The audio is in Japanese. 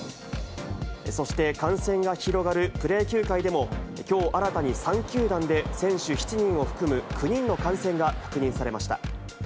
そして、感染が広がるプロ野球界でも、きょう新たに３球団で選手７人を含む９人の感染が確認されました。